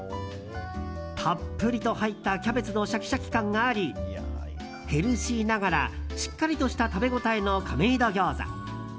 たっぷりと入ったキャベツのシャキシャキ感がありヘルシーながらしっかりとした食べ応えの亀戸餃子。